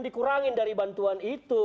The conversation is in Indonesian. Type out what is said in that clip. dikurangin dari bantuan itu